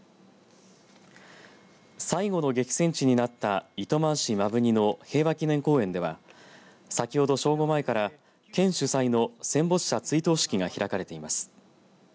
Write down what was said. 最後の激戦地になった糸満市摩文仁の平和祈念公園では先ほど正午前から県主催の戦没者追悼式が開かれています。